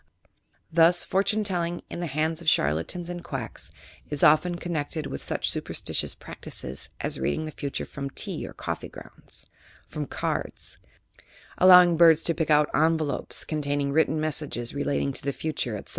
Thus, fortune telling, in the hands of charlatans and quacks, is often con nected with such superstitious practices as reading the future from tea or coffee grounds; from cards; allowing birds to pick out envelopes, containing written messages relating to the future, etc.